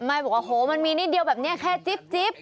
ไม่บอกว่าโอ้โฮมันมีนิดเดียวแบบนี้แค่จิ๊บจิ๊บ